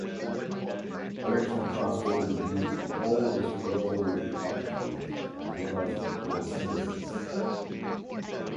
Electron transfer is used in all respiratory functions as well as photosynthesis.